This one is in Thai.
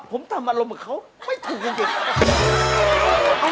ผมทำอารมณ์เหมือนเค้าไม่ถึงจริง